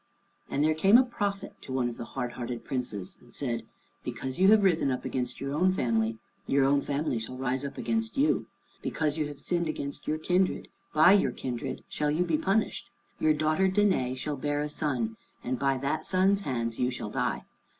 And there came a prophet to one of the hard hearted Princes and said, "Because you have risen up against your own family, your own family shall rise up against you. Because you have sinned against your kindred, by your kindred shall you be punished. Your daughter Danæ shall bear a son, and by that son's hands you shall die.